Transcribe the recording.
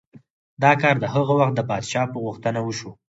دا کار د هغه وخت د پادشاه په غوښتنه وشو.